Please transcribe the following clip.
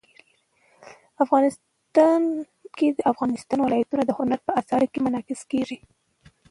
افغانستان کې د افغانستان ولايتونه د هنر په اثار کې منعکس کېږي.